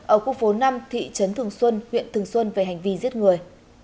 ở khu phố năm thị trấn thường xuân huyện thường xuân về hành vi giết người